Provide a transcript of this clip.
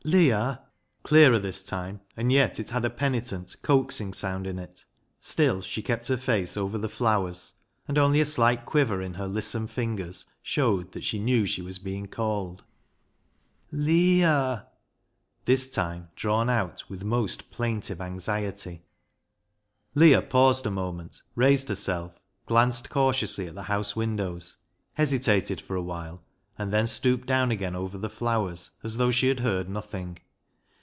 " Leah !"— clearer this time, and yet it had a penitent, coaxing sound in it. Still she kept her face over the flowers, and only a slight quiver in her lissom 44 BECKSIDE LIGHTS fingers showed that she knew she was being called. " L e a h !"— this time drawn out with most plaintive anxiety. Leah paused a moment, raised herself, glanced cautiously at the house windows, hesitated for a while, and then stooped down again over the flov/ers as though she had heard nothing.